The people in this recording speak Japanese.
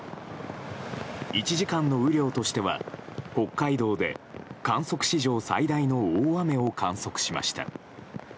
１時間の雨量としては北海道で、観測史上最大の大雨を観測しました。